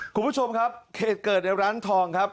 คุณผู้ชมครับเหตุเกิดในร้านทองครับ